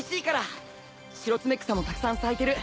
シロツメクサもたくさん咲いてる。